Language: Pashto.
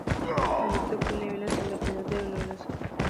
د وردګو نوی نسل له پنځه نوي سلنه ډېر باسواده دي.